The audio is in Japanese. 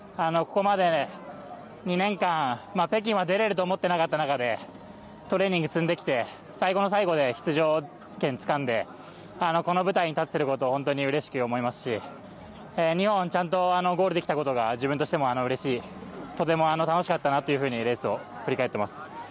ここまで２年間北京は出れると思っていなかった中でトレーニング積んできて最後の最後で出場権、つかんでこの舞台に立ててることを本当にうれしく思いますし２本ちゃんとゴールできたことが自分としてもうれしいとても楽しかったなとレースを振り返ってます。